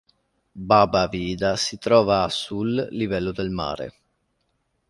Baba Vida si trova a sul livello del mare.